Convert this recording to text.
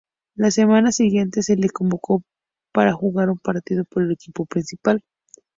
La semana siguiente se lo convocó para jugar un partido por el equipo principal.